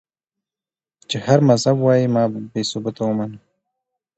چې هر مذهب وائي ما بې ثبوته اومنه